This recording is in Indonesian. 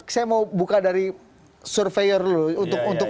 saya mau buka dari surveyor dulu